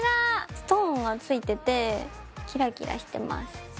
ストーンが付いててキラキラしてます。